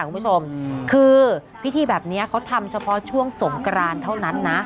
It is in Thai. คุณผู้ชมคือพิธีแบบนี้เขาทำเฉพาะช่วงสงกรานเท่านั้นนะ